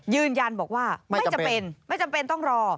ยืนยันบอกว่าไม่จำเป็นไม่จำเป็นต้องรอ